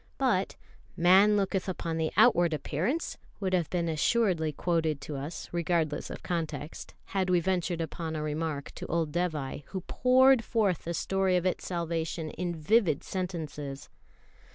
But "Man looketh upon the outward appearance" would have been assuredly quoted to us, regardless of context, had we ventured upon a remark to old Dévai, who poured forth the story of its salvation in vivid sentences.